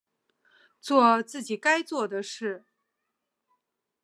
作自己该做的事